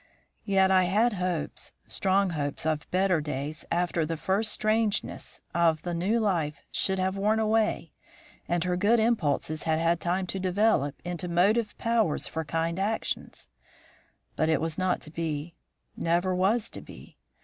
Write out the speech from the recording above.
Yet I had hopes, strong hopes of better days after the first strangeness of the new life should have worn away and her good impulses had had time to develop into motive powers for kind actions. But it was not to be; never was to be.